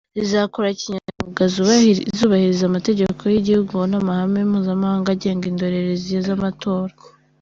Zizakora kinyamwuga zubahiriza amategeko y’igihugu n’amahame mpuzamahanga agenga indorerezi z’amatora.